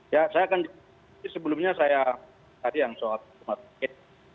ya saya kan sebelumnya yang tadi soal rumah sakit